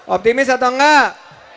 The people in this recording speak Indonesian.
optimis atau enggak